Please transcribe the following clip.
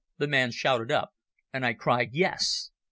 the man shouted up, and I cried, "Yes".